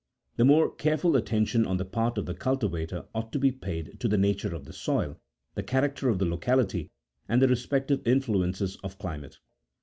The most careful attention on the part of the cultivator ought to be paid to the nature of the soil, the character of the loca lity, and the respective influences of climate.